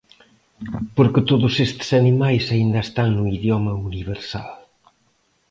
Porque todos estes animais aínda están no idioma universal.